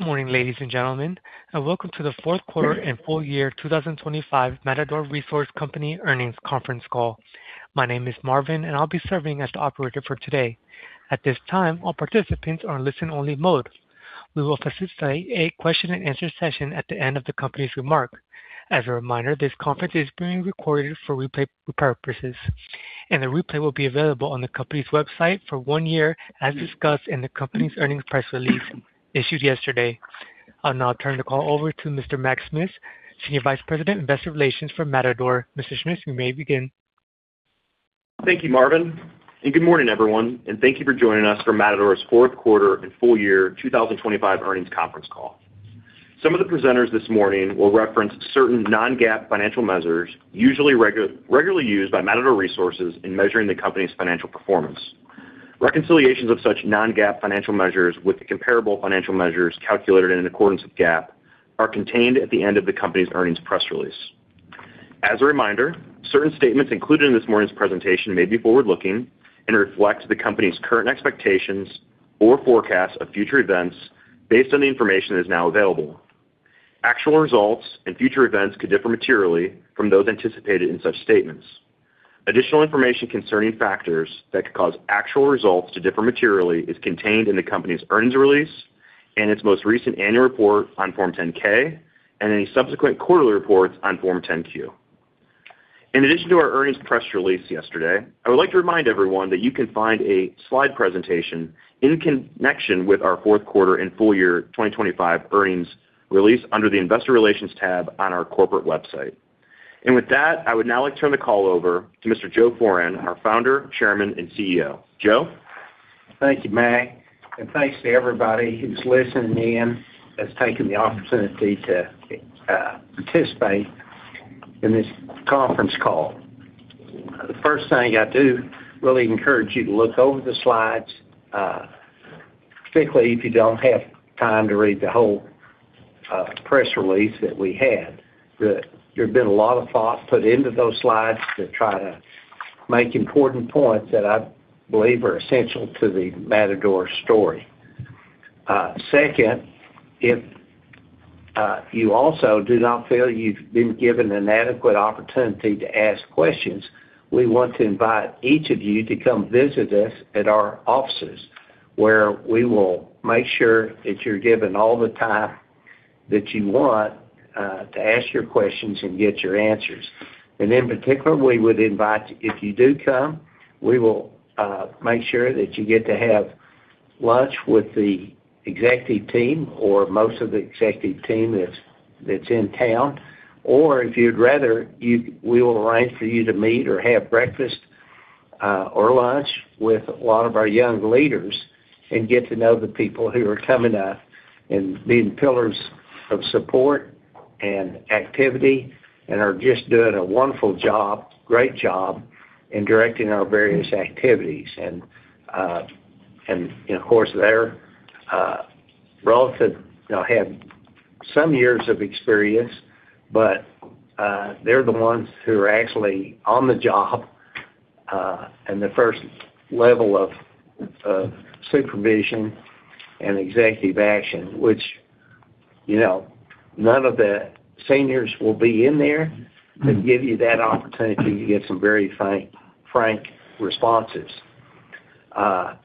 Good morning, ladies and gentlemen, welcome to the Q4 and full year 2025 Matador Resources Company earnings conference call. My name is Marvin, and I'll be serving as the operator for today. At this time, all participants are in listen-only mode. We will facilitate a question-and-answer session at the end of the company's remark. As a reminder, this conference is being recorded for replay purposes, and the replay will be available on the company's website for one year, as discussed in the company's earnings press release issued yesterday. I'll now turn the call over to Mr. Mac Schmitz, Senior Vice President, Investor Relations for Matador. Mr. Schmitz, you may begin. Thank you, Marvin. Good morning, everyone, and thank you for joining us for Matador's Q4 and full year 2025 earnings conference call. Some of the presenters this morning will reference certain non-GAAP financial measures, regularly used by Matador Resources in measuring the company's financial performance. Reconciliations of such non-GAAP financial measures with the comparable financial measures calculated in accordance with GAAP are contained at the end of the company's earnings press release. As a reminder, certain statements included in this morning's presentation may be forward-looking and reflect the company's current expectations or forecasts of future events based on the information that is now available. Actual results and future events could differ materially from those anticipated in such statements. Additional information concerning factors that could cause actual results to differ materially is contained in the company's earnings release and its most recent annual report on Form 10-K and any subsequent quarterly reports on Form 10-Q. In addition to our earnings press release yesterday, I would like to remind everyone that you can find a slide presentation in connection with our Q4 and full year 2025 earnings release under the Investor Relations tab on our corporate website. With that, I would now like to turn the call over to Mr. Joe Foran, our Founder, Chairman, and CEO. Joe? Thank you, Mac. Thanks to everybody who's listening in, that's taken the opportunity to participate in this conference call. The first thing I do really encourage you to look over the slides, particularly if you don't have time to read the whole press release that we had. There's been a lot of thought put into those slides to try to make important points that I believe are essential to the Matador story. Second, if you also do not feel you've been given an adequate opportunity to ask questions, we want to invite each of you to come visit us at our offices, where we will make sure that you're given all the time that you want to ask your questions and get your answers. In particular, we would invite, if you do come, we will make sure that you get to have lunch with the executive team or most of the executive team that's in town. If you'd rather, we will arrange for you to meet or have breakfast or lunch with a lot of our young leaders and get to know the people who are coming up and being pillars of support and activity and are just doing a wonderful job, great job in directing our various activities. Of course, they're relative, you know, have some years of experience, but they're the ones who are actually on the job, and the first level of supervision and executive action, which, you know, none of the seniors will be in there to give you that opportunity to get some very frank responses. That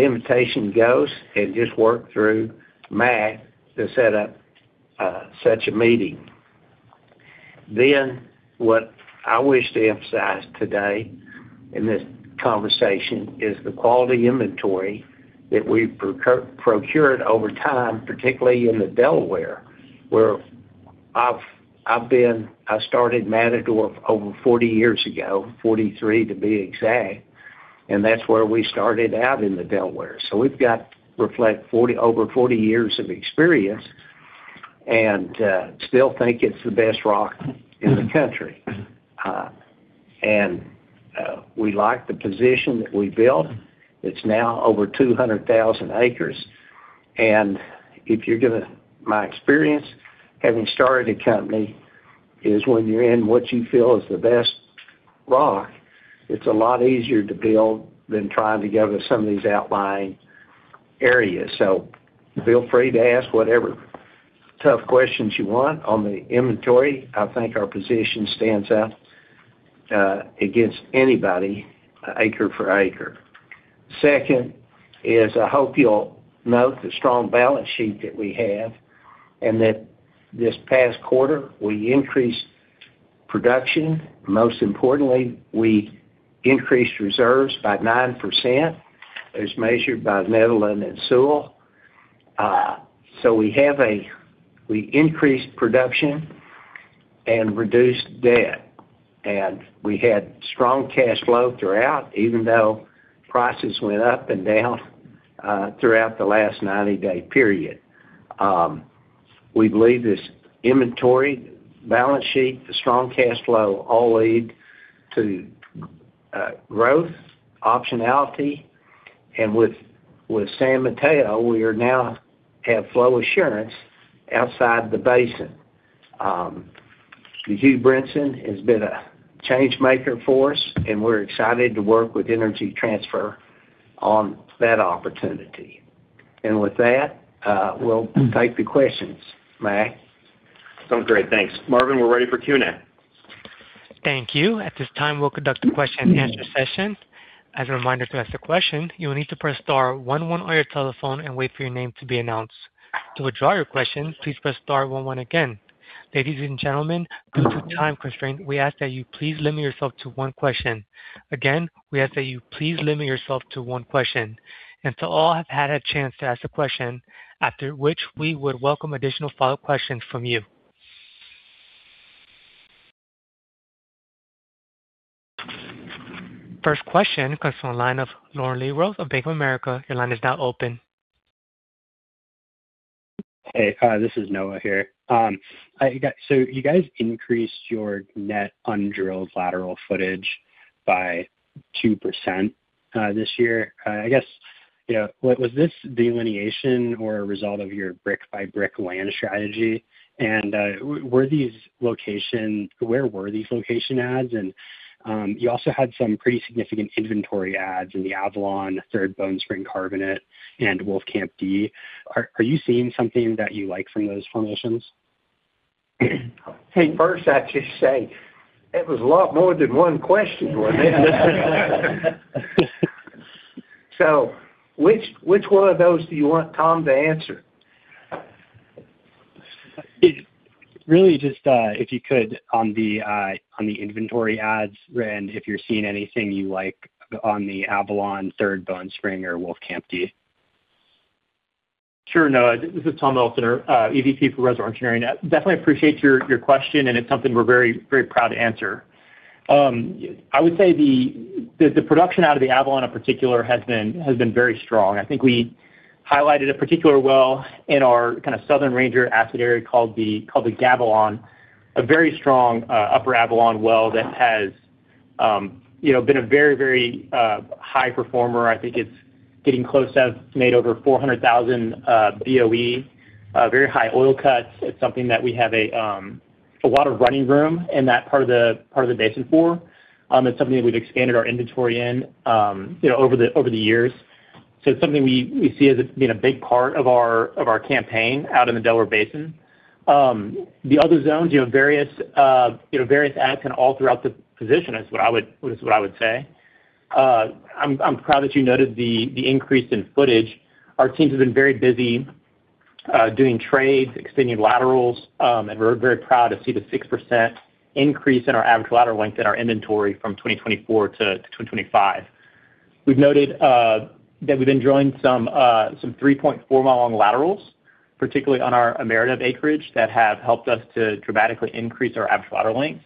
invitation goes and just work through Mac to set up such a meeting. What I wish to emphasize today in this conversation is the quality inventory that we've procured over time, particularly in the Delaware, where I started Matador over 40 years ago, 43, to be exact, and that's where we started out in the Delaware. We've got to reflect over 40 years of experience and still think it's the best rock in the country. We like the position that we built. It's now over 200,000 acres. If you're given my experience, having started a company, is when you're in what you feel is the best rock, it's a lot easier to build than trying to go to some of these outlying areas. Feel free to ask whatever tough questions you want on the inventory. I think our position stands out against anybody, acre for acre. Second is, I hope you'll note the strong balance sheet that we have, and that this past quarter, we increased production. Most importantly, we increased reserves by 9%, as measured by Netherland, Sewell. We increased production and reduced debt, and we had strong cash flow throughout, even though prices went up and down throughout the last 90-day period. We believe this inventory, balance sheet, the strong cash flow, all lead to growth, optionality, and with San Mateo, we are now have flow assurance outside the basin. Hugh Brinson has been a change maker for us, and we're excited to work with Energy Transfer on that opportunity. With that, we'll take the questions. Mac? Sounds great. Thanks. Marvin, we're ready for Q&A now. Thank you. At this time, we'll conduct the Q&A session. As a reminder, to ask a question, you will need to press star one one on your telephone and wait for your name to be announced. To withdraw your question, please press star one one again. Ladies and gentlemen, due to time constraint, we ask that you please limit yourself to one question. Again, we ask that you please limit yourself to one question, and so all have had a chance to ask a question, after which we would welcome additional follow-up questions from you. First question comes from the line of Noah Hungness of Bank of America. Your line is now open. Hey, this is Noah here. You guys increased your net undrilled lateral footage by 2% this year. I guess, you know, was this delineation or a result of your brick by brick land strategy? Where were these location adds? You also had some pretty significant inventory adds in the Avalon, Third Bone Spring Carbonate, and Wolfcamp D. Are you seeing something that you like from those formations? Hey, first, I just say it was a lot more than one question, wasn't it? Which one of those do you want Tom to answer? Really, just, if you could, on the inventory adds, and if you're seeing anything you like on the Avalon, Third Bone Spring, or Wolfcamp D. Sure, Noah, this is Tom Elsener, EVP for Reservoir Engineering. I definitely appreciate your question, and it's something we're very, very proud to answer. I would say the production out of the Avalon, in particular, has been very strong. I think we highlighted a particular well in our kind of Southern Ranger asset area called the Gavilon, a very strong, upper Avalon well that has, you know, been a very, very high performer. I think it's getting close to have made over 400,000 BOE, very high oil cuts. It's something that we have a lot of running room in that part of the basin for. It's something that we've expanded our inventory in, you know, over the years. It's something we see as, you know, a big part of our campaign out in the Delaware Basin. The other zones, you have various, you know, various adds and all throughout the position, is what I would say. I'm proud that you noted the increase in footage. Our teams have been very busy doing trades, extending laterals, and we're very proud to see the 6% increase in our average lateral length in our inventory from 2024 to 2025. We've noted that we've been drawing some 3.4-mi-long laterals, particularly on our Ameredev acreage, that have helped us to dramatically increase our average lateral length.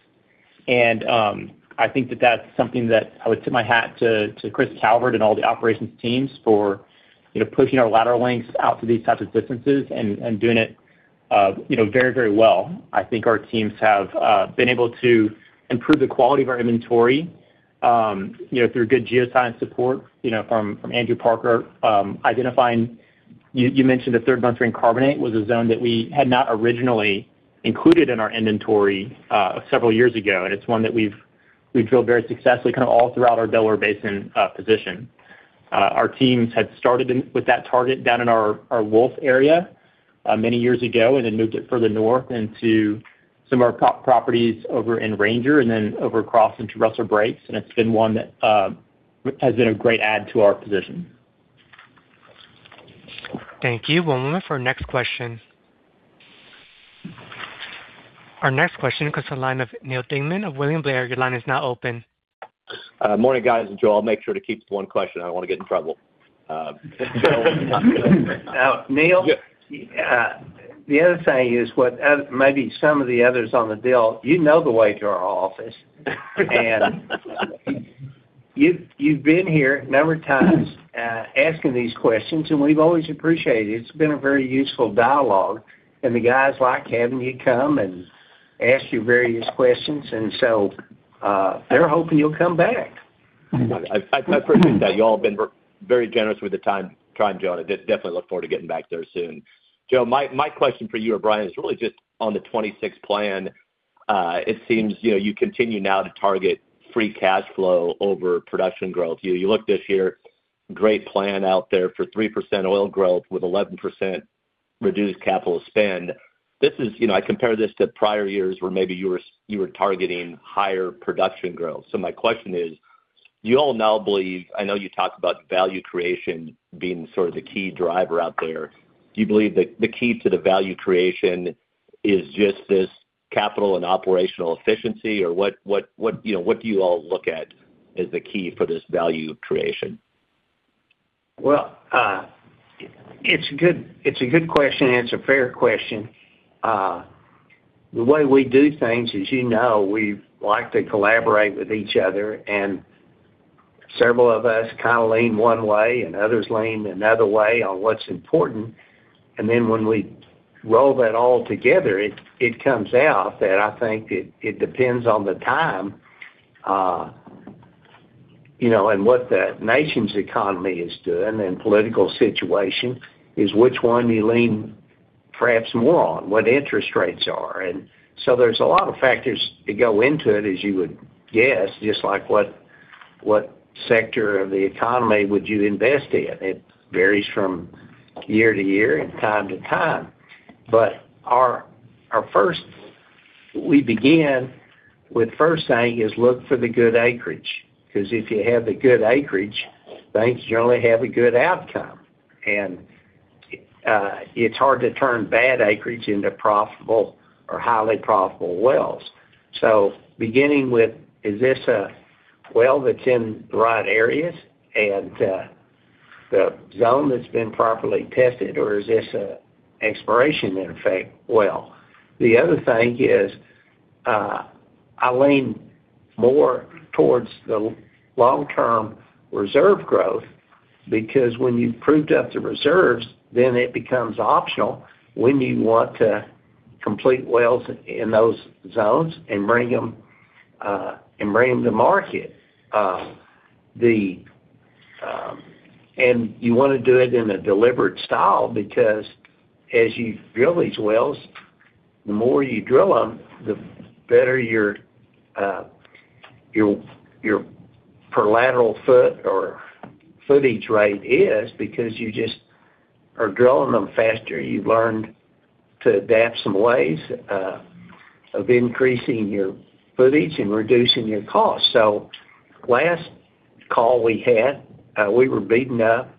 I think that that's something that I would tip my hat to Chris Calvert and all the operations teams for, you know, pushing our lateral lengths out to these types of distances and doing it, you know, very, very well. I think our teams have been able to improve the quality of our inventory, you know, through good geoscience support, you know, from Andrew Parker. You mentioned the Third Bone Spring Carbonate was a zone that we had not originally included in our inventory several years ago, and it's one that we've drilled very successfully, kind of, all throughout our Delaware Basin position. Our teams had started with that target down in our Wolf area, many years ago and then moved it further north into some of our top properties over in Ranger and then over across into Rustler Breaks. It's been one that has been a great add to our position. Thank you. One moment for our next question. Our next question comes from the line of Neal Dingmann of William Blair. Your line is now open. Morning, guys and Joe. I'll make sure to keep it to one question. I don't want to get in trouble Neal? Yeah. The other thing is, what, maybe some of the others on the deal, you know the way to our office. You've been here a number of times, asking these questions, and we've always appreciated it. It's been a very useful dialogue, and the guys like having you come and ask you various questions. They're hoping you'll come back. I appreciate that. You all have been very generous with the time, Joe Foran. I definitely look forward to getting back there soon. Joe Foran, my question for you or Bryan is really just on the 2026 plan. It seems, you know, you continue now to target free cash flow over production growth. You looked this year, great plan out there for 3% oil growth with 11% reduced CapEx spend. This is, you know, I compare this to prior years where maybe you were targeting higher production growth. My question is: You all now believe, I know you talked about value creation being sort of the key driver out there. Do you believe that the key to the value creation is just this capital and operational efficiency? What, you know, what do you all look at as the key for this value creation? Well, it's a good question, and it's a fair question. The way we do things, as you know, we like to collaborate with each other, and several of us kind of lean one way, and others lean another way on what's important. When we roll that all together, it comes out, and I think it depends on the time, you know, and what the nation's economy is doing and political situation, is which one you lean perhaps more on, what interest rates are. There's a lot of factors that go into it, as you would guess, just like what sector of the economy would you invest in? It varies from year to year and time to time. Our first, we begin with first thing is look for the good acreage, because if you have the good acreage, then you generally have a good outcome. It's hard to turn bad acreage into profitable or highly profitable wells. Beginning with, is this a well that's in the right areas and the zone that's been properly tested, or is this an exploration, in effect, well? The other thing is, I lean more towards the long-term reserve growth, because when you've proved up the reserves, then it becomes optional when you want to complete wells in those zones and bring them and bring them to market. You want to do it in a deliberate style, because as you drill these wells, the more you drill them, the better your per lateral foot or footage rate is, because you just are drilling them faster. You learn to adapt some ways of increasing your footage and reducing your costs. Last call we had, we were beaten up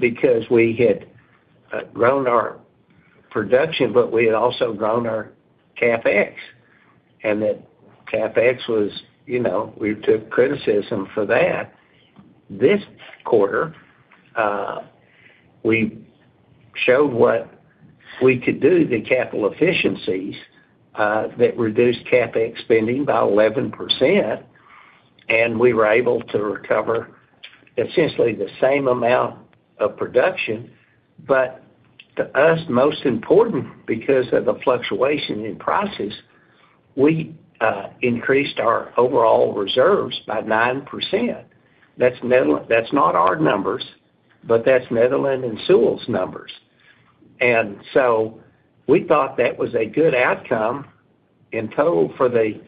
because we had grown our production, but we had also grown our CapEx, and that CapEx was, you know, we took criticism for that. This quarter, we showed what we could do, the capital efficiencies that reduced CapEx spending by 11%, and we were able to recover essentially the same amount of production. To us, most important, because of the fluctuation in prices, we increased our overall reserves by 9%. That's not our numbers, but that's Netherland and Sewell's numbers. We thought that was a good outcome in total for the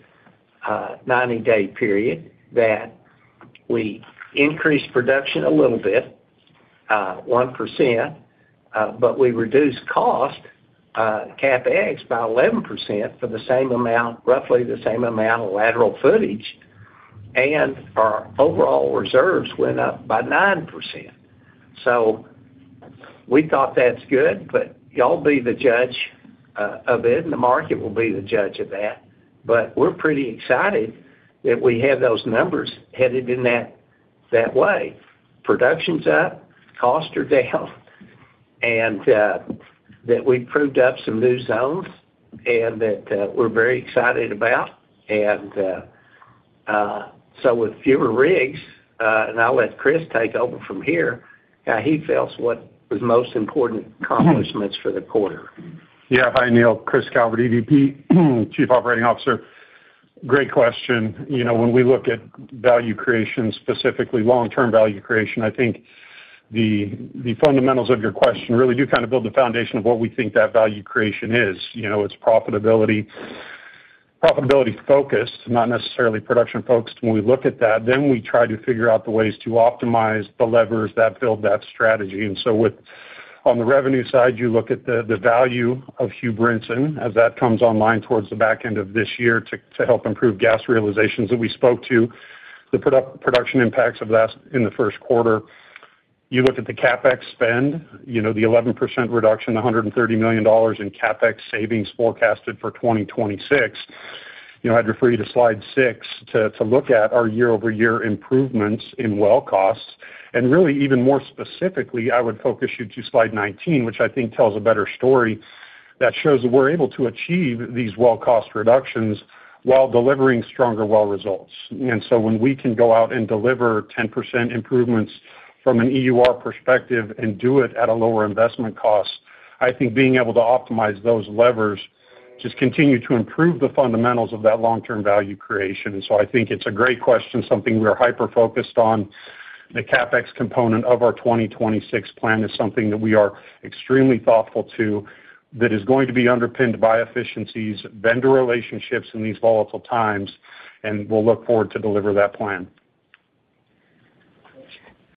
90-day period, that we increased production a little bit, 1%, but we reduced cost, CapEx, by 11% for the same amount, roughly the same amount of lateral footage, and our overall reserves went up by 9%. We thought that's good, but y'all be the judge of it, and the market will be the judge of that. We're pretty excited that we have those numbers headed in that way. Production's up, costs are down, and that we proved up some new zones and that we're very excited about. With fewer rigs, and I'll let Chris take over from here, he tells what the most important accomplishments for the quarter. Yeah. Hi, Neal. Chris Calvert, EVP, Chief Operating Officer. Great question. You know, when we look at value creation, specifically long-term value creation, I think the fundamentals of your question really do kind of build the foundation of what we think that value creation is. You know, it's profitability focused, not necessarily production focused, when we look at that. Then we try to figure out the ways to optimize the levers that build that strategy. With, on the revenue side, you look at the value of Hugh Brinson as that comes online towards the back end of this year to help improve gas realizations that we spoke to, the production impacts of that in the Q1. You look at the CapEx spend, you know, the 11% reduction, $130 million in CapEx savings forecasted for 2026. You know, I'd refer you to slide 6 to look at our year-over-year improvements in well costs. Really, even more specifically, I would focus you to slide 19, which I think tells a better story that shows that we're able to achieve these well cost reductions while delivering stronger well results. When we can go out and deliver 10% improvements from an EUR perspective and do it at a lower investment cost, I think being able to optimize those levers just continue to improve the fundamentals of that long-term value creation. I think it's a great question, something we are hyper-focused on. The CapEx component of our 2026 plan is something that we are extremely thoughtful to, that is going to be underpinned by efficiencies, vendor relationships in these volatile times, and we'll look forward to deliver that plan.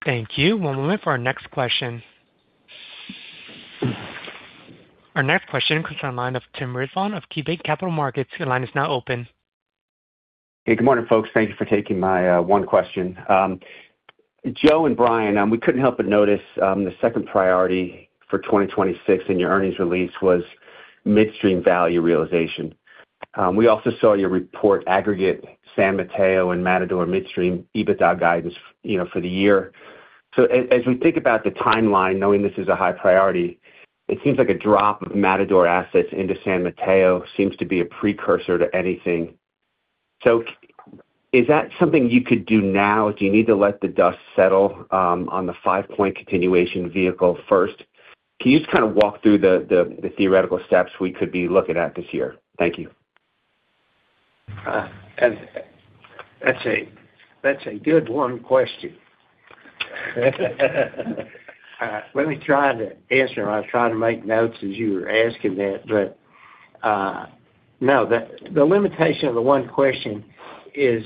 Thank you. One moment for our next question. Our next question comes from the line of Tim Rezvan of KeyBanc Capital Markets. Your line is now open. Hey, good morning, folks. Thank you for taking my one question. Joe and Bryan, we couldn't help but notice, the second priority for 2026 in your earnings release was midstream value realization. We also saw your report, aggregate San Mateo and Matador Midstream EBITDA guidance, you know, for the year. As we think about the timeline, knowing this is a high priority, it seems like a drop of Matador assets into San Mateo seems to be a precursor to anything. Is that something you could do now? Do you need to let the dust settle on the Five Point continuation vehicle first? Can you just kind of walk through the theoretical steps we could be looking at this year? Thank you. That's a good one question. Let me try to answer, I was trying to make notes as you were asking that, but, no, the limitation of the one question is,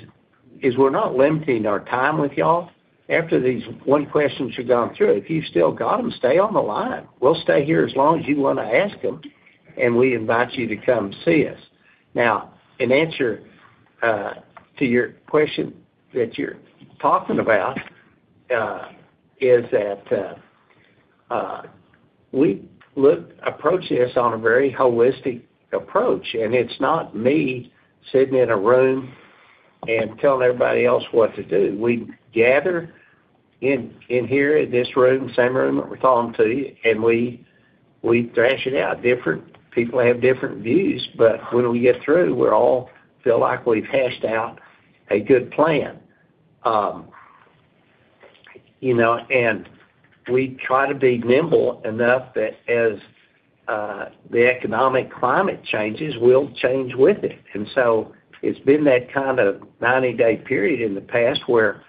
we're not limiting our time with y'all. After these one questions you've gone through, if you've still got them, stay on the line. We'll stay here as long as you wanna ask them, we invite you to come see us. Now, in answer to your question that you're talking about, is that, we approach this on a very holistic approach, it's not me sitting in a room and telling everybody else what to do. We gather in here, in this room, same room that we're talking to you, we thrash it out. Different people have different views, but when we get through, we all feel like we've hashed out a good plan. You know, we try to be nimble enough that as the economic climate changes, we'll change with it. It's been that kind of 90-day period in the past where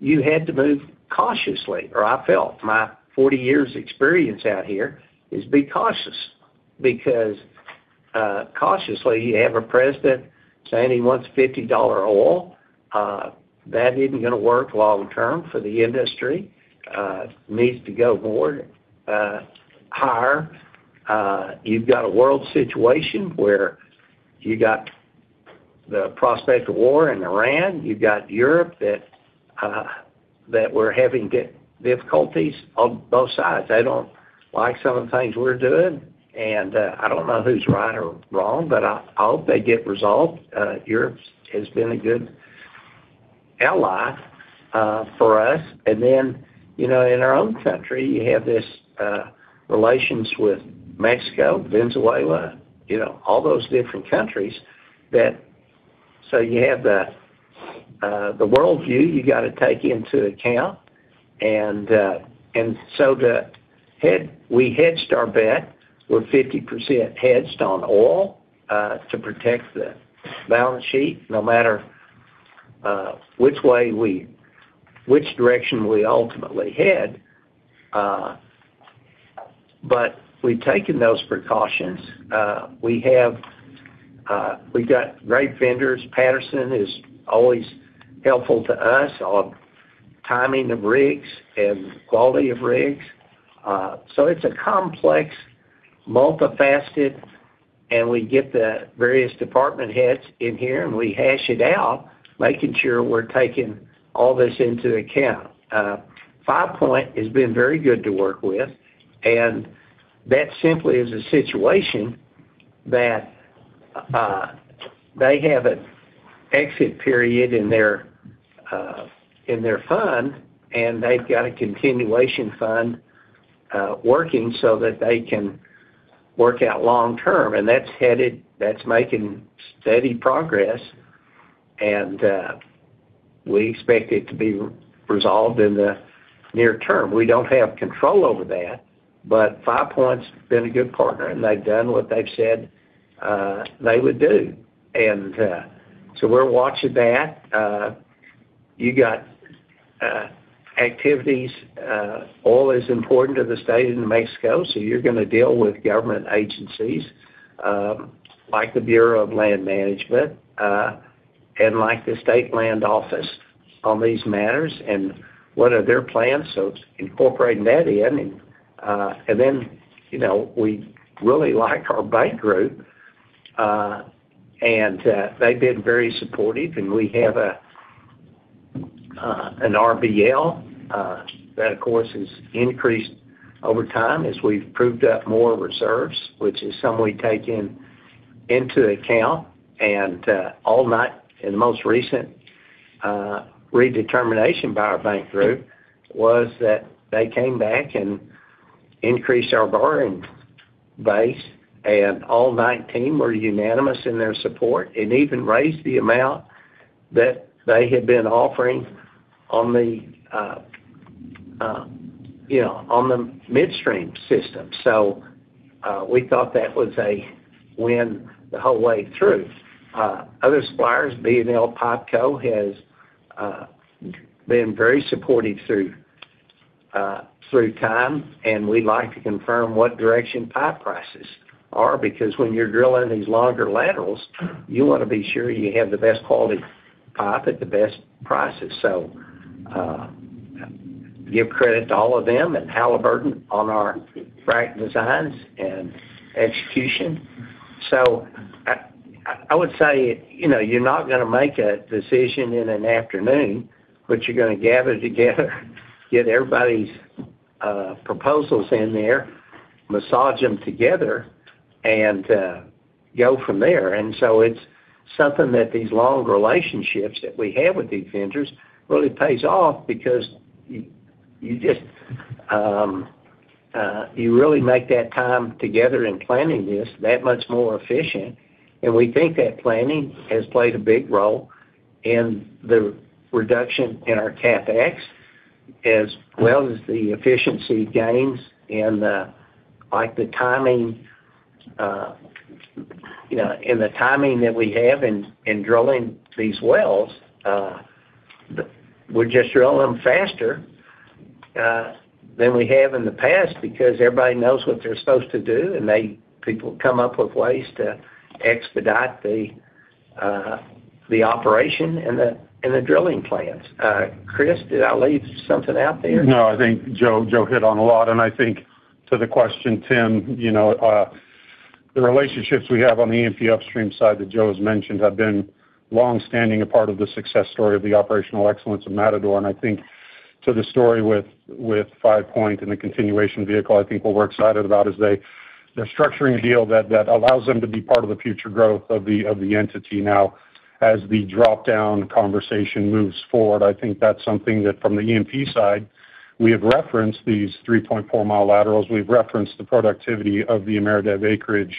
you had to move cautiously, or I felt. My 40 years experience out here is be cautious. Cautiously, you have a president saying he wants $50 oil. That isn't gonna work long term for the industry, needs to go more higher. You've got a world situation where you got the prospect of war in Iran, you've got Europe that we're having difficulties on both sides. They don't like some of the things we're doing, and I don't know who's right or wrong, but I hope they get resolved. Europe has been a good ally for us. Then, you know, in our own country, you have this relations with Mexico, Venezuela, you know, all those different countries that... You have the world view you gotta take into account. We hedged our bet, we're 50% hedged on oil to protect the balance sheet, no matter which direction we ultimately head. We've taken those precautions. We have, we've got great vendors. Patterson is always helpful to us on timing of rigs and quality of rigs. It's a complex, multifaceted, and we get the various department heads in here, and we hash it out, making sure we're taking all this into account. Five Point has been very good to work with, and that simply is a situation that, they have an exit period in their, in their fund, and they've got a continuation fund, working so that they can work out long term, and that's making steady progress, and we expect it to be resolved in the near term. We don't have control over that, but Five Point's been a good partner, and they've done what they've said, they would do. We're watching that. You got activities, oil is important to the state of New Mexico, so you're gonna deal with government agencies, like the Bureau of Land Management, and like the State Land Office on these matters, and what are their plans? Incorporating that in, and then, you know, we really like our bank group, and they've been very supportive, and we have an RBL, that, of course, has increased over time as we've proved up more reserves, which is something we take into account. All night, in the most recent redetermination by our bank group, was that they came back and increased our borrowing base, and all 19 were unanimous in their support, and even raised the amount that they had been offering on the, you know, on the midstream system. We thought that was a win the whole way through. Other suppliers, B&L Pipeco has been very supportive through time, and we'd like to confirm what direction pipe prices are, because when you're drilling these longer laterals, you wanna be sure you have the best quality pipe at the best prices. Give credit to all of them and Halliburton on our frac designs and execution. I would say, you know, you're not gonna make a decision in an afternoon, but you're gonna gather together, get everybody's proposals in there, massage them together, and go from there. It's something that these long relationships that we have with these vendors really pays off because you just, you really make that time together in planning this, that much more efficient. We think that planning has played a big role. The reduction in our CapEx, as well as the efficiency gains and, like the timing, you know, and the timing that we have in drilling these wells, we're just drilling them faster, than we have in the past because everybody knows what they're supposed to do, and people come up with ways to expedite the operation and the, and the drilling plans. Chris, did I leave something out there? No, I think Joe hit on a lot, and I think to the question, Tim, you know, the relationships we have on the E&P upstream side that Joe has mentioned have been long-standing a part of the success story of the operational excellence of Matador. I think to the story with Five Point and the continuation vehicle, I think what we're excited about is they're structuring a deal that allows them to be part of the future growth of the entity. As the drop-down conversation moves forward, I think that's something that from the E&P side, we have referenced these 3.4 mi laterals. We've referenced the productivity of the Ameredev acreage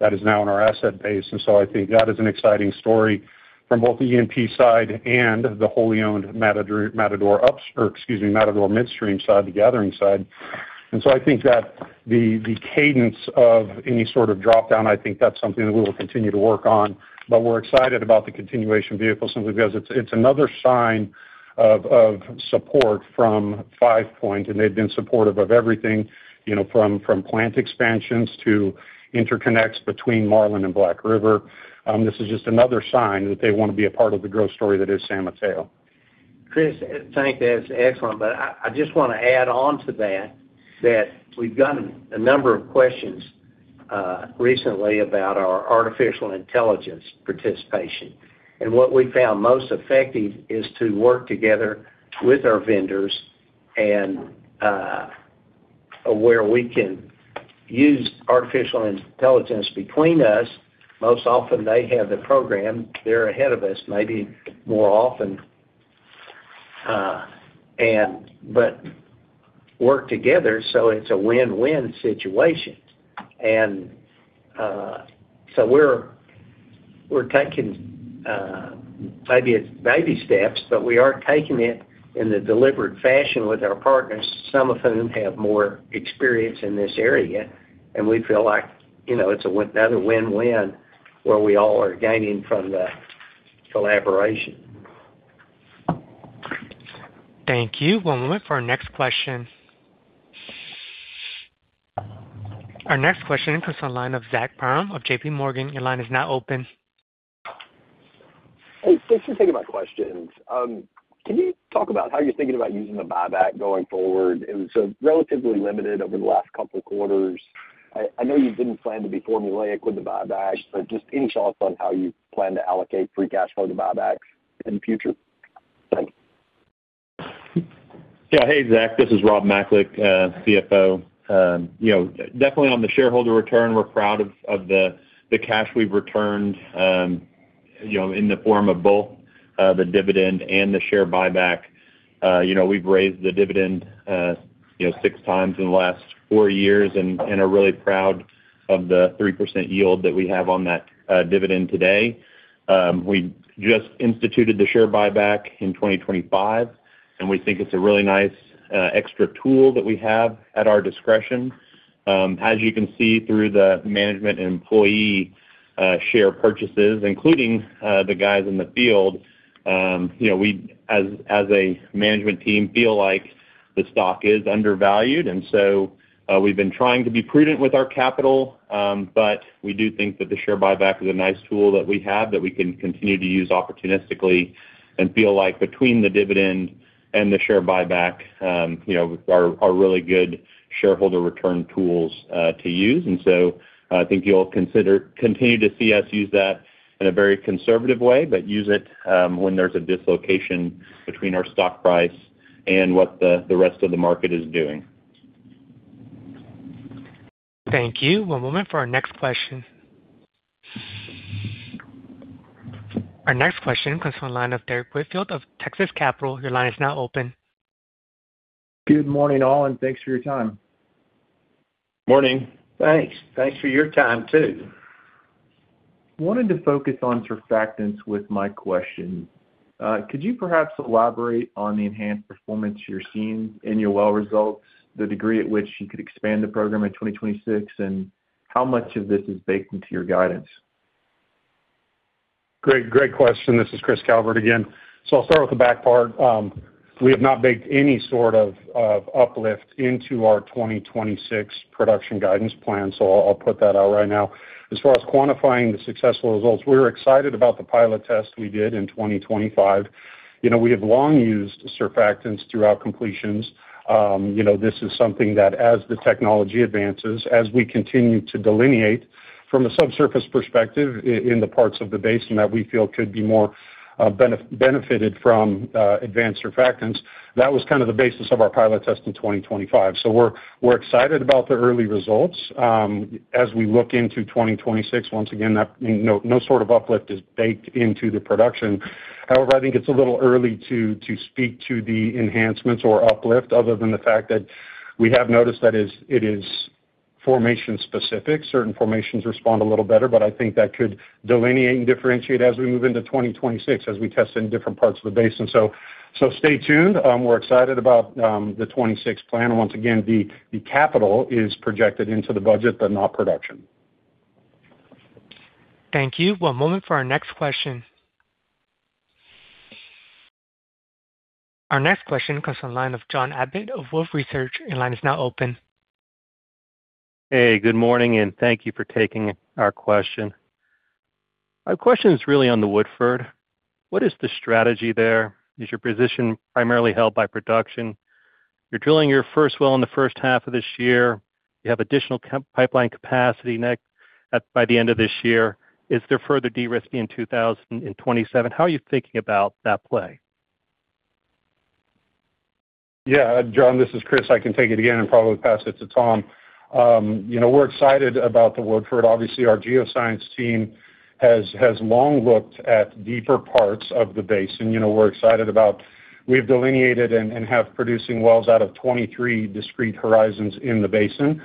that is now in our asset base. I think that is an exciting story from both the E&P side and the wholly owned Matador ups, or excuse me, Matador Midstream side, the gathering side. I think that the cadence of any sort of drop-down, I think that's something that we will continue to work on. We're excited about the continuation vehicle simply because it's another sign of support from Five Point, and they've been supportive of everything, you know, from plant expansions to interconnects between Marlin and Black River. This is just another sign that they want to be a part of the growth story that is San Mateo. Chris, I think that's excellent, but I just want to add on to that we've gotten a number of questions recently about our artificial intelligence participation. What we found most effective is to work together with our vendors and where we can use artificial intelligence between us. Most often, they have the program, they're ahead of us, maybe more often, but work together, so it's a win-win situation. So we're taking, maybe it's baby steps, but we are taking it in a deliberate fashion with our partners, some of whom have more experience in this area. We feel like, you know, it's another win-win, where we all are gaining from the collaboration. Thank you. One moment for our next question. Our next question comes from the line of Zach Parham of JPMorgan. Your line is now open. Hey, thanks for taking my questions. Can you talk about how you're thinking about using the buyback going forward? It was relatively limited over the last couple of quarters. I know you didn't plan to be formulaic with the buyback, but just any thoughts on how you plan to allocate free cash flow to buybacks in the future? Thanks. Hey, Zach Parham, this is Rob Macalik, CFO. You know, definitely on the shareholder return, we're proud of the cash we've returned, you know, in the form of both the dividend and the share buyback. You know, we've raised the dividend, you know, 6x in the last 4 years and are really proud of the 3% yield that we have on that dividend today. We just instituted the share buyback in 2025, and we think it's a really nice extra tool that we have at our discretion. As you can see through the management and employee share purchases, including the guys in the field, you know, we, as a management team, feel like the stock is undervalued. We've been trying to be prudent with our capital, but we do think that the share buyback is a nice tool that we have that we can continue to use opportunistically. Feel like between the dividend and the share buyback, you know, are really good shareholder return tools to use. I think you'll continue to see us use that in a very conservative way, but use it when there's a dislocation between our stock price and what the rest of the market is doing. Thank you. One moment for our next question. Our next question comes from the line of Derrick Whitfield of Texas Capital. Your line is now open. Good morning, all, and thanks for your time. Morning. Thanks. Thanks for your time, too. I wanted to focus on surfactants with my question. Could you perhaps elaborate on the enhanced performance you're seeing in your well results, the degree at which you could expand the program in 2026, and how much of this is baked into your guidance? Great, great question. This is Chris Calvert again. I'll start with the back part. We have not baked any sort of uplift into our 2026 production guidance plan, so I'll put that out right now. As far as quantifying the successful results, we're excited about the pilot test we did in 2025. You know, we have long used surfactants throughout completions. You know, this is something that as the technology advances, as we continue to delineate from a subsurface perspective in the parts of the basin that we feel could be more benefited from advanced surfactants, that was kind of the basis of our pilot test in 2025. We're excited about the early results. As we look into 2026, once again, that, no sort of uplift is baked into the production. I think it's a little early to speak to the enhancements or uplift other than the fact that we have noticed it is formation specific. Certain formations respond a little better, I think that could delineate and differentiate as we move into 2026, as we test in different parts of the basin. Stay tuned. We're excited about the 2026 plan. Once again, the capital is projected into the budget, but not production. Thank you. One moment for our next question. Our next question comes from the line of John Abbott of Wolfe Research. Line is now open. Hey, good morning, and thank you for taking our question. My question is really on the Woodford. What is the strategy there? Is your position primarily held by production? You're drilling your first well in the first half of this year. You have additional pipeline capacity next by the end of this year. Is there further de-risking in 2027? How are you thinking about that play? Yeah, John, this is Chris. I can take it again and probably pass it to Tom. You know, we're excited about the Woodford. Obviously, our geoscience team has long looked at deeper parts of the basin. You know, we've delineated and have producing wells out of 23 discrete horizons in the basin.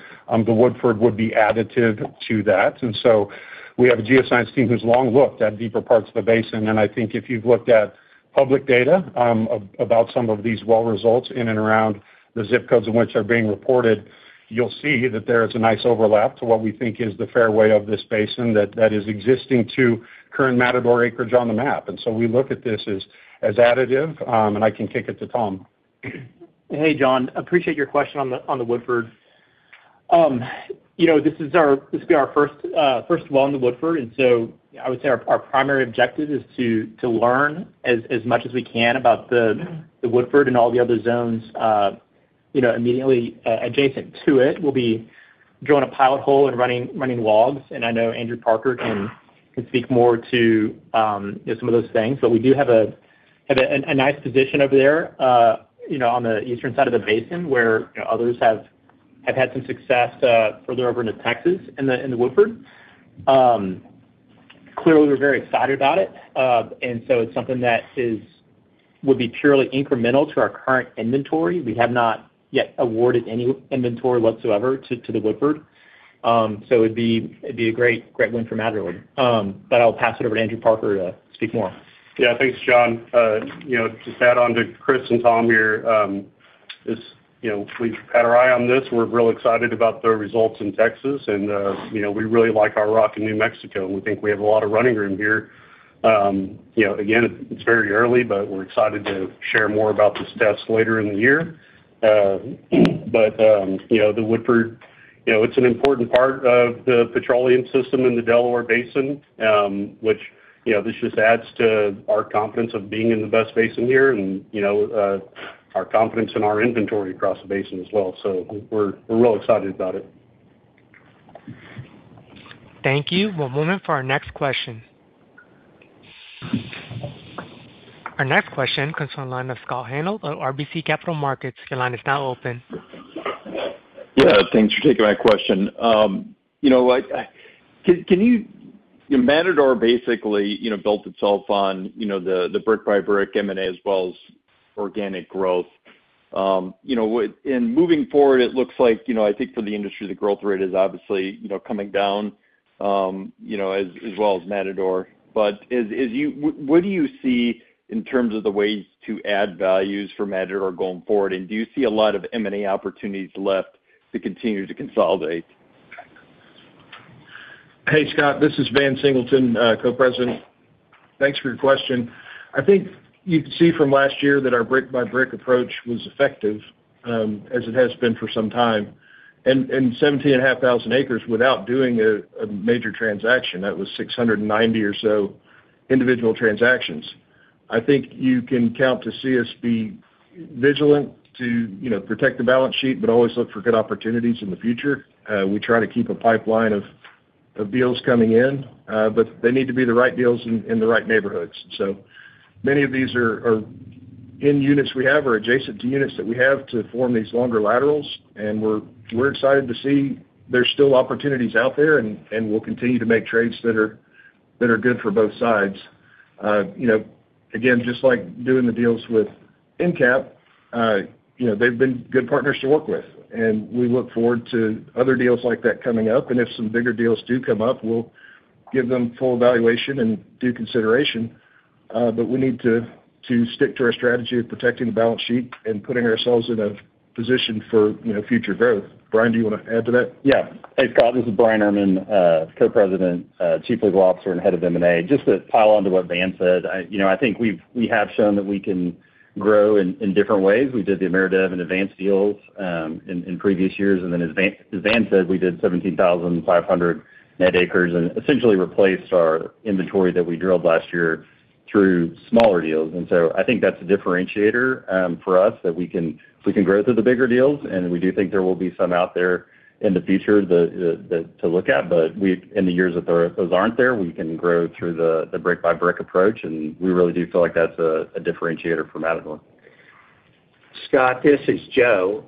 The Woodford would be additive to that. We have a geoscience team who's long looked at deeper parts of the basin. I think if you've looked at public data, about some of these well results in and around the zip codes in which are being reported, you'll see that there is a nice overlap to what we think is the fairway of this basin, that is existing to current Matador acreage on the map. We look at this as additive, and I can kick it to Tom. Hey, John, appreciate your question on the Woodford. You know, this will be our first well in the Woodford, and so I would say our primary objective is to learn as much as we can about the Woodford and all the other zones, you know, immediately adjacent to it. We'll be drawing a pilot hole and running logs, and I know Andrew Parker can speak more to, you know, some of those things. We do have a nice position over there, you know, on the eastern side of the basin, where, you know, others have had some success further over into Texas, in the Woodford. Clearly, we're very excited about it. It's something that would be purely incremental to our current inventory. We have not yet awarded any inventory whatsoever to the Woodford. It'd be a great win for Matador. I'll pass it over to Andrew Parker to speak more. Yeah. Thanks, John. You know, to add on to Chris and Tom here, you know, we've had our eye on this. We're real excited about the results in Texas, you know, we really like our rock in New Mexico, we think we have a lot of running room here. You know, again, it's very early, but we're excited to share more about this test later in the year. You know, the Woodford, you know, it's an important part of the petroleum system in the Delaware Basin, which, you know, this just adds to our confidence of being in the best basin here, you know, our confidence in our inventory across the basin as well. We're real excited about it. Thank you. We're moving for our next question. Our next question comes from the line of Scott Hanold of RBC Capital Markets. Your line is now open. Yeah, thanks for taking my question. Matador basically, you know, built itself on, you know, the brick by brick M&A, as well as organic growth. you know, in moving forward, it looks like, you know, I think for the industry, the growth rate is obviously, you know, coming down, you know, as well as Matador. What do you see in terms of the ways to add values for Matador going forward? Do you see a lot of M&A opportunities left to continue to consolidate? Hey, Scott, this is Van Singleton, Co-President. Thanks for your question. I think you can see from last year that our brick-by-brick approach was effective, as it has been for some time. 17,500 acres without doing a major transaction, that was 690 or so individual transactions. I think you can count to see us be vigilant to, you know, protect the balance sheet, but always look for good opportunities in the future. We try to keep a pipeline of deals coming in, but they need to be the right deals in the right neighborhoods. Many of these are in units we have or adjacent to units that we have to form these longer laterals, and we're excited to see there's still opportunities out there, and we'll continue to make trades that are good for both sides. You know, again, just like doing the deals with EnCap, you know, they've been good partners to work with, and we look forward to other deals like that coming up, and if some bigger deals do come up, we'll give them full evaluation and due consideration. We need to stick to our strategy of protecting the balance sheet and putting ourselves in a position for, you know, future growth. Bryan, do you want to add to that? Yeah. Hey, Scott, this is Bryan Erman, Co-President, Chief Legal Officer and Head of M&A. Just to pile on to what Van said, I, you know, I think we have shown that we can grow in different ways. We did the Ameredev and Advance deals in previous years, and then as Van said, we did 17,500 net acres and essentially replaced our inventory that we drilled last year through smaller deals. I think that's a differentiator for us, that we can grow through the bigger deals, and we do think there will be some out there in the future that to look at. In the years that there, those aren't there, we can grow through the brick by brick approach, and we really do feel like that's a differentiator for Matador. Scott, this is Joe,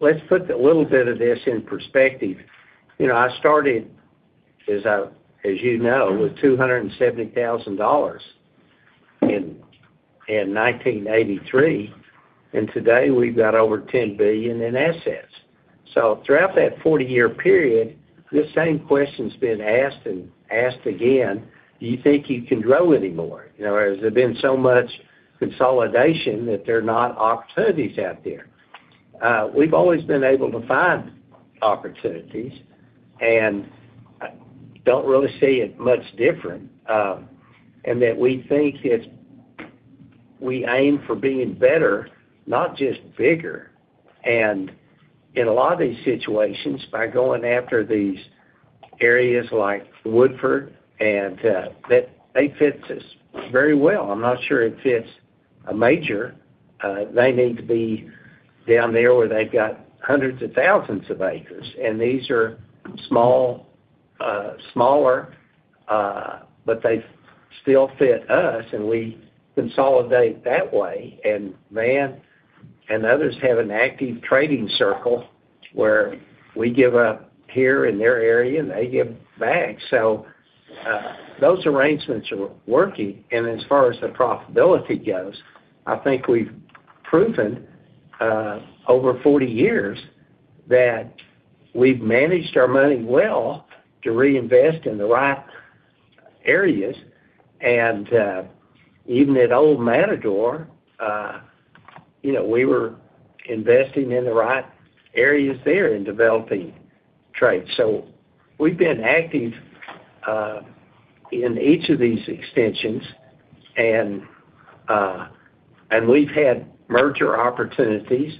let's put a little bit of this in perspective. You know, I started, as I, as you know, with $270,000 in 1983, and today we've got over $10 billion in assets. Throughout that 40-year period, the same question's been asked and asked again, do you think you can grow anymore? You know, has there been so much consolidation that there are not opportunities out there? We've always been able to find opportunities, and I don't really see it much different, and that we think if we aim for being better, not just bigger. In a lot of these situations, by going after these areas like Woodford, and that they fit us very well. I'm not sure it fits a major. They need to be down there where they've got hundreds of thousands of acres, these are small, smaller, but they still fit us, we consolidate that way. Van and others have an active trading circle where we give up here in their area, they give back. Those arrangements are working. As far as the profitability goes, I think we've proven over 40 years that we've managed our money well to reinvest in the right areas. Even at Old Matador, you know, we were investing in the right areas there in developing trades. We've been active in each of these extensions, and we've had merger opportunities,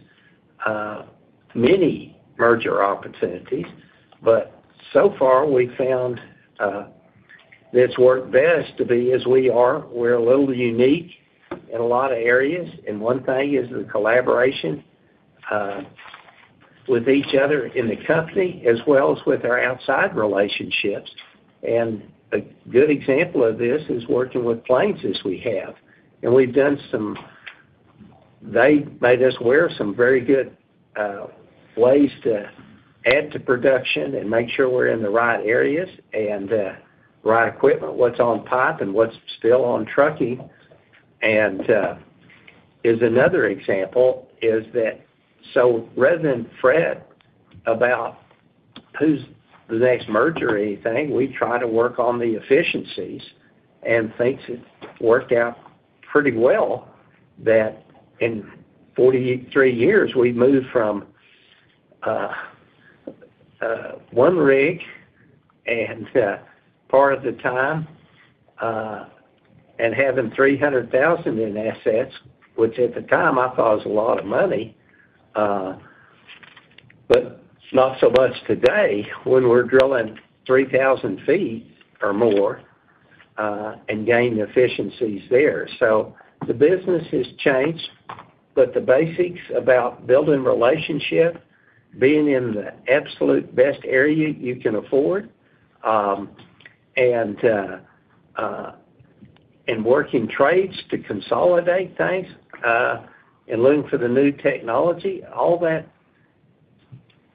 many merger opportunities, but so far, we've found that it's worked best to be as we are. We're a little unique in a lot of areas, and one thing is the collaboration, with each other in the company, as well as with our outside relationships. A good example of this is working with Plains, as we have. They made us aware of some very good ways to add to production and make sure we're in the right areas and right equipment. What's on pipe and what's still on trucking, and is another example, is that so rather than fret about who's the next merger or anything, we try to work on the efficiencies. Things have worked out pretty well, that in 43 years, we've moved from one rig and part of the time and having $300,000 in assets, which at the time I thought was a lot of money, but not so much today, when we're drilling 3,000 feet or more and gaining efficiencies there. The business has changed, but the basics about building relationship, being in the absolute best area you can afford, and working trades to consolidate things, and looking for the new technology, all that,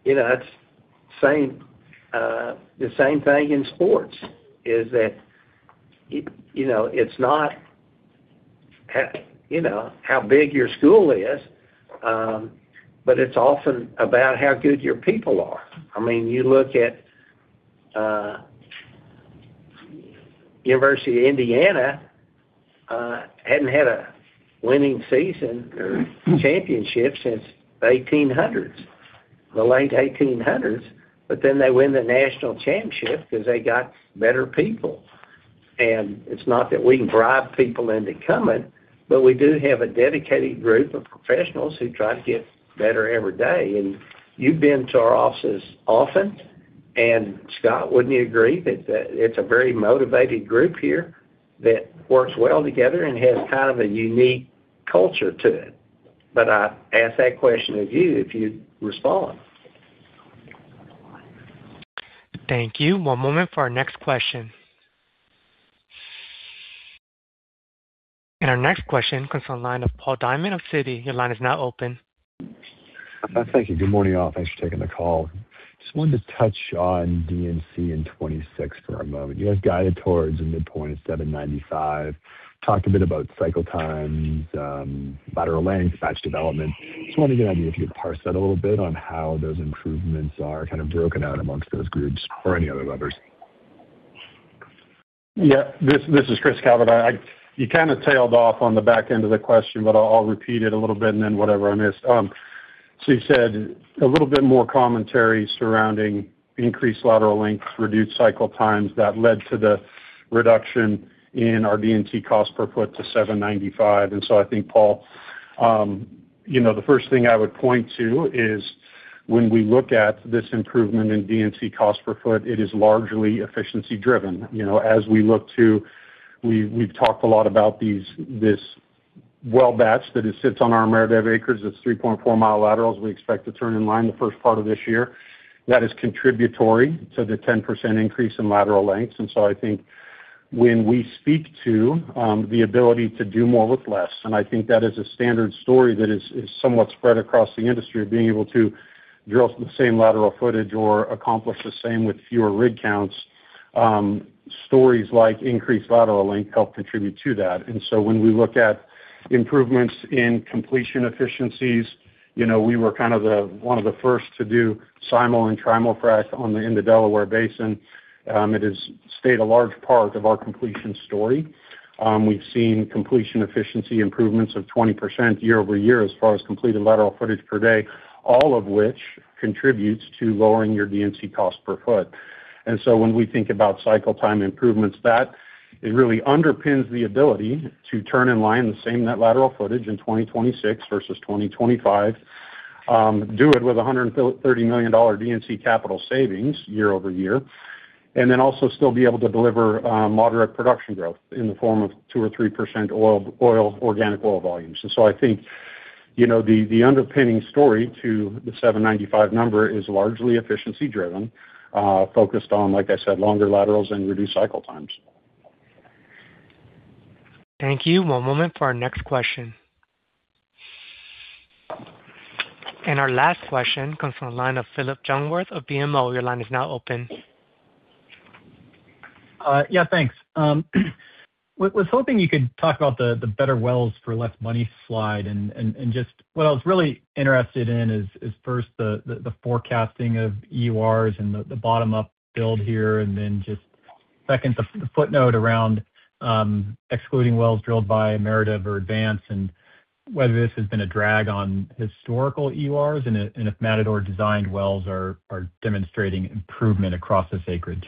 you know, that's same, the same thing in sports, is that, it, you know, it's not, you know, how big your school is, but it's often about how good your people are. I mean, you look at, University of Indiana, hadn't had a winning season or championship since the 1800s, the late 1800s. They win the national championship because they got better people. It's not that we can bribe people into coming, but we do have a dedicated group of professionals who try to get better every day. You've been to our offices often, and Scott, wouldn't you agree that it's a very motivated group here that works well together and has kind of a unique culture to it? I ask that question of you, if you'd respond. Thank you. One moment for our next question. Our next question comes from the line of Paul Diamond of Citi. Your line is now open. Thank you. Good morning, all. Thanks for taking the call. Just wanted to touch on D&C in 2026 for a moment. You guys guided towards a midpoint of $795. Talked a bit about cycle times, lateral lengths, batch development. Just wanted to get an idea if you could parse that a little bit on how those improvements are kind of broken out amongst those groups or any other others. This is Chris Calvert. I, you kind of tailed off on the back end of the question, but I'll repeat it a little bit and then whatever I missed. You said a little bit more commentary surrounding increased lateral lengths, reduced cycle times that led to the reduction in our D&C cost per foot to $795. I think, Paul, you know, the first thing I would point to is when we look at this improvement in D&C cost per foot, it is largely efficiency driven. You know, We've talked a lot about this well batch, that it sits on our Ameredev acres. It's 3.4 mi laterals we expect to turn in line the first part of this year. That is contributory to the 10% increase in lateral lengths. I think when we speak to the ability to do more with less, and I think that is a standard story that is somewhat spread across the industry, of being able to drill the same lateral footage or accomplish the same with fewer rig counts, stories like increased lateral length help contribute to that. When we look at improvements in completion efficiencies, you know, we were kind of the, one of the first to do simul-frac and trimul-frac in the Delaware Basin. It has stayed a large part of our completion story. We've seen completion efficiency improvements of 20% year-over-year, as far as completed lateral footage per day, all of which contributes to lowering your D&C cost per foot. When we think about cycle time improvements, that, it really underpins the ability to turn in line the same net lateral footage in 2026 versus 2025, do it with $130 million D&C capital savings year-over-year, and then also still be able to deliver moderate production growth in the form of 2% or 3% oil, organic oil volumes. I think, you know, the underpinning story to the 795 number is largely efficiency driven, focused on, like I said, longer laterals and reduced cycle times. Thank you. One moment for our next question. Our last question comes from the line of Phillip Jungwirth of BMO. Your line is now open. Yeah, thanks. was hoping you could talk about the better wells for less money slide, and just what I was really interested in is first the forecasting of EURs and the bottom-up build here, and then just second, the footnote around excluding wells drilled by Ameredev or Advance, and whether this has been a drag on historical EURs, and if Matador-designed wells are demonstrating improvement across this acreage.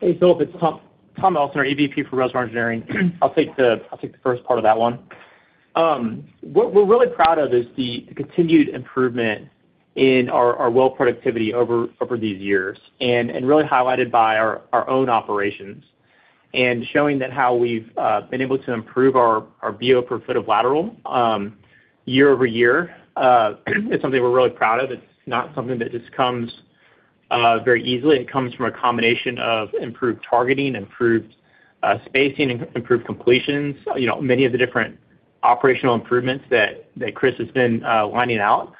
Hey, Phillip, it's Tom Elsener, EVP for Reservoir Engineering. I'll take the first part of that one. What we're really proud of is the continued improvement in our well productivity over these years, and really highlighted by our own operations, and showing that how we've been able to improve our BO per foot of lateral year-over-year is something we're really proud of. It's not something that just comes very easily. It comes from a combination of improved targeting, improved spacing, improved completions, you know, many of the different operational improvements that Chris has been winding out.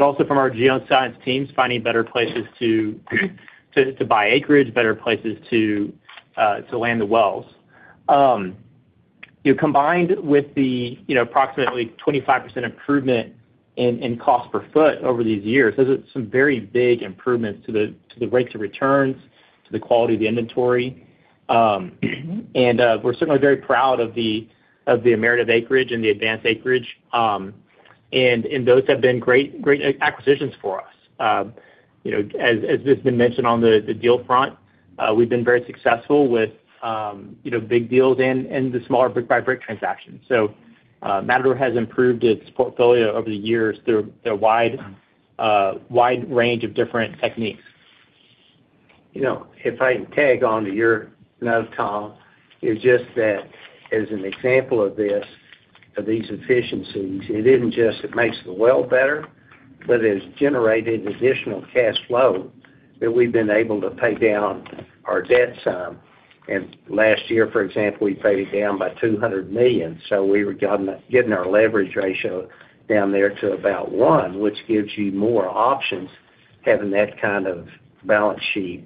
Also from our geoscience teams, finding better places to buy acreage, better places to land the wells. You know, combined with the, you know, approximately 25% improvement in cost per foot over these years, those are some very big improvements to the rates of returns, to the quality of the inventory. And we're certainly very proud of the Ameredev acreage and the Advance acreage. And those have been great acquisitions for us. You know, as has been mentioned on the deal front, we've been very successful with, you know, big deals and the smaller brick-by-brick transactions. Matador has improved its portfolio over the years through a wide range of different techniques. You know, if I can tag onto your note, Tom, it's just that as an example of this, of these efficiencies, it isn't just it makes the well better, but it's generated additional cash flow that we've been able to pay down our debt some. Last year, for example, we paid it down by $200 million, so we were getting our leverage ratio down there to about 1, which gives you more options, having that kind of balance sheet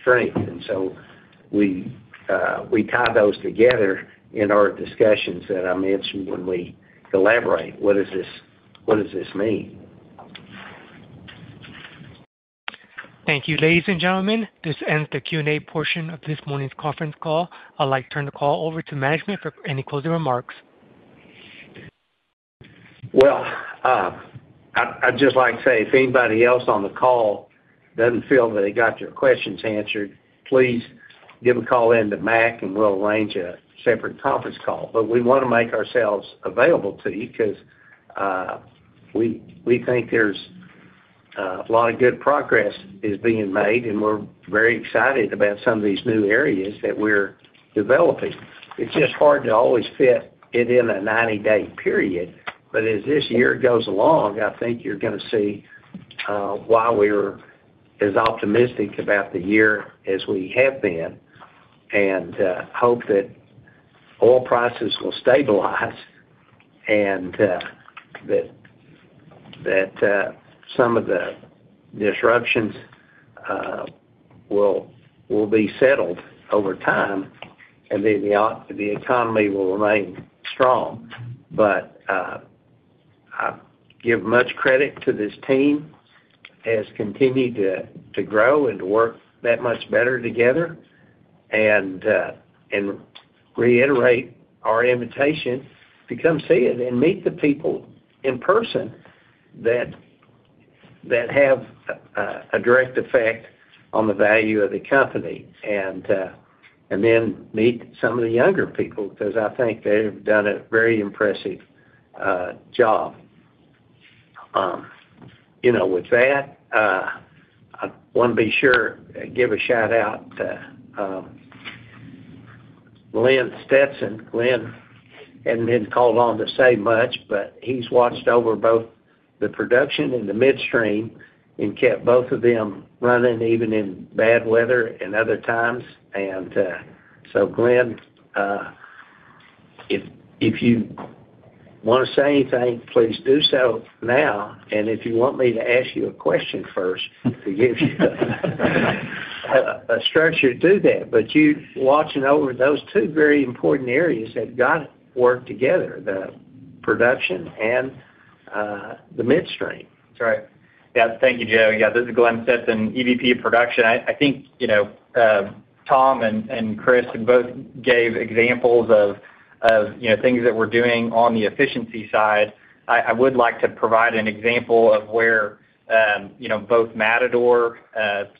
strength. We tie those together in our discussions that I mentioned when we collaborate. What does this mean? Thank you, ladies and gentlemen. This ends the Q&A portion of this morning's conference call. I'd like to turn the call over to management for any closing remarks. Well, I'd just like to say, if anybody else on the call doesn't feel that they got your questions answered, please give a call in to Mac, and we'll arrange a separate conference call. We want to make ourselves available to you because we think there's a lot of good progress is being made, and we're very excited about some of these new areas that we're developing. It's just hard to always fit it in a 90-day period. As this year goes along, I think you're gonna see why we're as optimistic about the year as we have been, and hope that oil prices will stabilize and that some of the disruptions will be settled over time, and then the economy will remain strong. I give much credit to this team, as continued to grow and work that much better together, and reiterate our invitation to come see it and meet the people in person that have a direct effect on the value of the company. Meet some of the younger people, because I think they've done a very impressive job. You know, with that, I want to be sure and give a shout out to Glenn Stetson. Glenn hasn't been called on to say much, but he's watched over both the production and the midstream and kept both of them running, even in bad weather and other times. Glenn, If you want to say anything, please do so now. If you want me to ask you a question first, to give you a structure to do that. You're watching over those two very important areas that have got to work together, the production and the midstream. That's right. Yeah. Thank you, Joe. Yeah, this is Glenn Stetson, EVP of Production. I think, you know, Tom and Chris both gave examples of, you know, things that we're doing on the efficiency side. I would like to provide an example of where, you know, both Matador,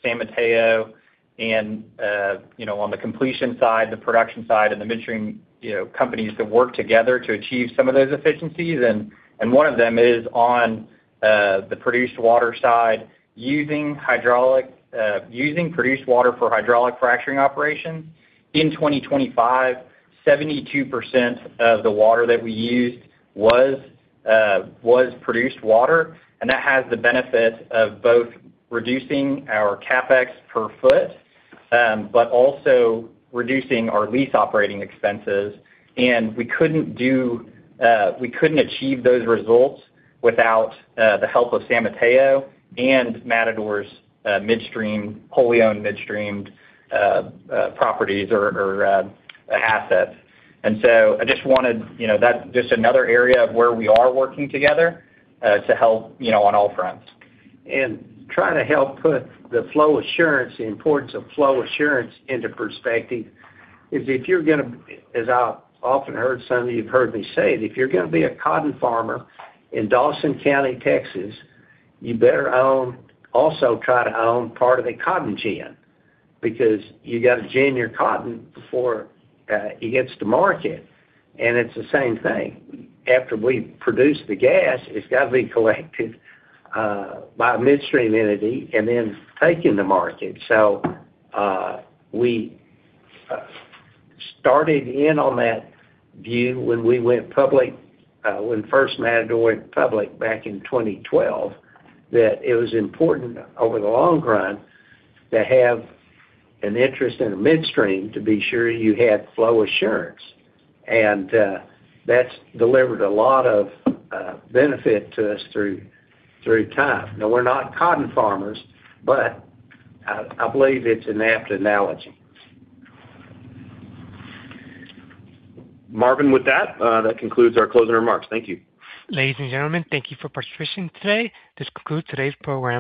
San Mateo, and, you know, on the completion side, the production side, and the midstream, you know, companies that work together to achieve some of those efficiencies. One of them is on the produced water side, using hydraulic, using produced water for hydraulic fracturing operations. In 2025, 72% of the water that we used was produced water, and that has the benefit of both reducing our CapEx per foot, but also reducing our lease operating expenses. We couldn't achieve those results without the help of San Mateo and Matador's midstream, wholly owned midstream, properties or assets. I just wanted, you know. That's just another area of where we are working together, to help, you know, on all fronts. Trying to help put the flow assurance, the importance of flow assurance into perspective is if you're gonna, as I've often heard, some of you've heard me say it, if you're gonna be a cotton farmer in Dawson County, Texas, you better own, also try to own part of a cotton gin, because you got to gin your cotton before it gets to market. It's the same thing. After we produce the gas, it's got to be collected by a midstream entity and then taken to market. We started in on that view when we went public, when first Matador went public back in 2012, that it was important over the long run, to have an interest in the midstream, to be sure you had flow assurance. That's delivered a lot of benefit to us through time. We're not cotton farmers, but I believe it's an apt analogy. Marvin, with that concludes our closing remarks. Thank you. Ladies and gentlemen, thank you for participating today. This concludes today's program.